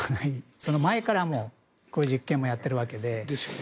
その前からこういう実験もやってるわけで。